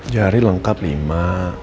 jari lengkap lima